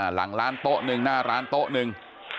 หลังร้านโต๊ะหนึ่งหน้าร้านโต๊ะหนึ่ง